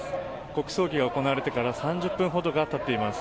国葬儀が行われてから３０分ほどが経っています。